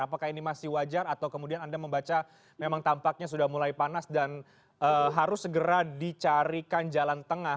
apakah ini masih wajar atau kemudian anda membaca memang tampaknya sudah mulai panas dan harus segera dicarikan jalan tengah